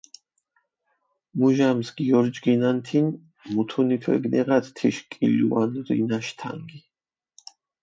მუჟამს გიორჯგინანთინ, მუთუნით ვეგნიღათ თიშ კილუან რინაშ თანგი.